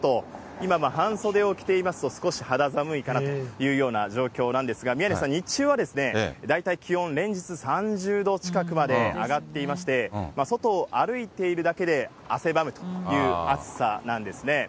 今も半袖を着ていますと、少し肌寒いかなというような状況なんですが、宮根さん、日中は大体気温、連日３０度近くまで上がっていまして、外を歩いているだけで、汗ばむという暑さなんですね。